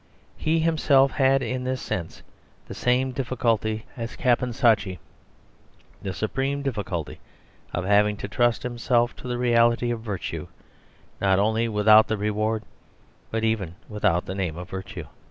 He himself had in this sense the same difficulty as Caponsacchi, the supreme difficulty of having to trust himself to the reality of virtue not only without the reward, but even without the name of virtue.